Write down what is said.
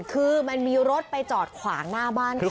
คือมันมีรถไปจอดขวางหน้าบ้านเขา